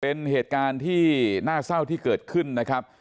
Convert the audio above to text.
เป็นเหตุการณ์ที่น่าเศร้าที่เกิดขึ้นนะครับ